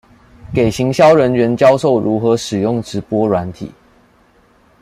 給行銷人員教授如何使用直播軟體